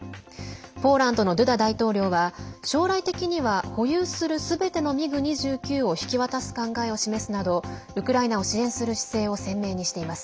ポーランドのドゥダ大統領は将来的には保有するすべてのミグ２９を引き渡す考えを示すなどウクライナを支援する姿勢を鮮明にしています。